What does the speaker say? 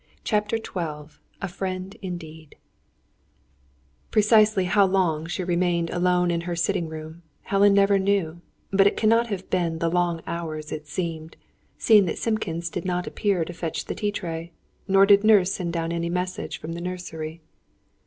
CHAPTER XII A FRIEND IN DEED Precisely how long she remained alone in her sitting room, Helen never knew; but it cannot have been the long hours it seemed, seeing that Simpkins did not appear to fetch the tea tray, nor did Nurse send down any message from the nursery.